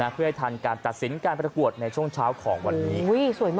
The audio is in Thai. เพื่อให้ทันการตัดสินการประกวดในช่วงเช้าของวันนี้